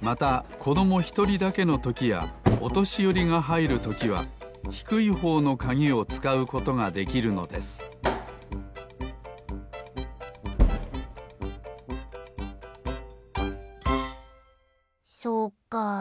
またこどもひとりだけのときやおとしよりがはいるときはひくいほうのかぎをつかうことができるのですそうか。